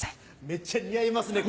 めっちゃ似合いますね